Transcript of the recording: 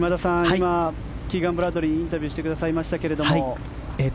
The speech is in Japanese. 今、キーガン・ブラッドリーにインタビューしてくださいましたけれど。